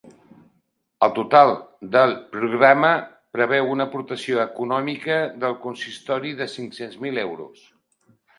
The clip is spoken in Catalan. El total del programa preveu una aportació econòmica del consistori de cinc-cents mil euros.